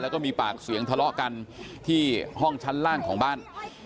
แล้วก็มีปากเสียงทะเลาะกันที่ห้องชั้นล่างของบ้าน